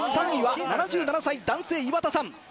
３位は７７歳男性岩田さん。